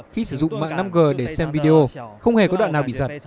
khi sử dụng mạng năm g để xem video không hề có đoạn nào bị giật